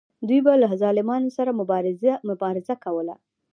دوی به له ظالمانو سره مبارزه کوله.